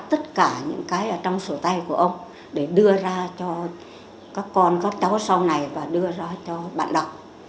tất cả những cái ở trong sổ tay của ông để đưa ra cho các con các cháu sau này và đưa ra cho bạn đọc